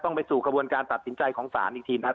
ไปสู่กระบวนการตัดสินใจของศาลอีกทีนะครับ